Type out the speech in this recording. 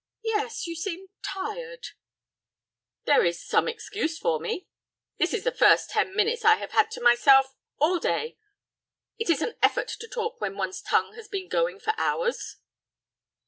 "Yes, you seem tired—" "There is some excuse for me. This is the first ten minutes I have had to myself—all day. It is an effort to talk when one's tongue has been going for hours."